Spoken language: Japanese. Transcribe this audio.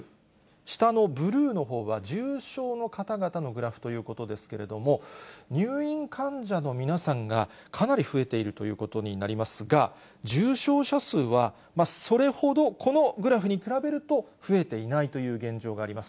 下のブルーのほうは重症の方々のグラフということですけれども、入院患者の皆さんが、かなり増えているということになりますが、重症者数はそれほど、このグラフに比べると、増えていないという現状があります。